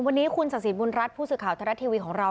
วันนี้คุณศักดิ์สิทธิบุญรัฐผู้สื่อข่าวทรัฐทีวีของเรา